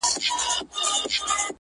په محبت کي يې بيا دومره پيسې وغوښتلې-